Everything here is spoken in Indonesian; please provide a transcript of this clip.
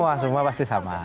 semua semua pasti sama